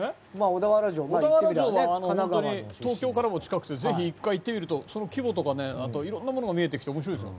小田原城は、本当に東京からも近くてぜひ１回行ってみると規模とかいろんなもの見えてきて面白いですよ。